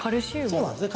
そうなんですね。